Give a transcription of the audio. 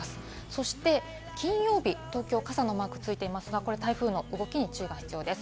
そして金曜日、東京、傘のマークついていますが、これ台風の動きに注意が必要です。